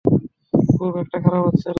খুব একটা খারাপ হচ্ছে না।